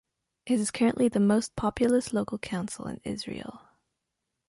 It is currently the most populous local council in Israel.